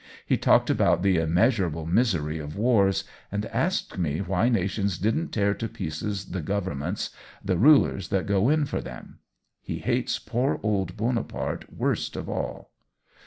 He talked about the * immeasurable misery* of wars, and asked me why nations don't tear to pieces the governments, the rulers that go in for them. He hates poor old Bonaparte worst of all.''